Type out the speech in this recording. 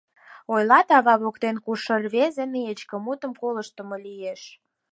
Ойлат: «Ава воктен кушшо рвезе нечке, мутым колыштдымо лиеш».